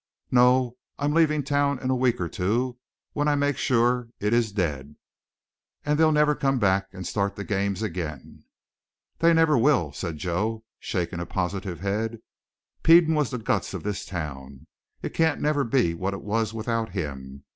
"No. I'm leaving town in a week or two when I make sure it is dead, that they'll never come back and start the games again." "They never will," said Joe, shaking a positive head. "Peden was the guts of this town; it can't never be what it was without him.